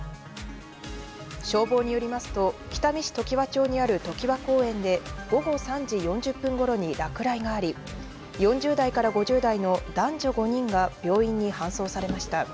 消防によりますと、北見市常盤町にある常盤公園で午後３時４０分ごろに落雷があり、４０代から５０代の男女５人が病院に搬送されました。